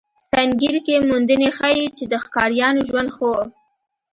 سنګیر کې موندنې ښيي، چې د ښکاریانو ژوند ښه و.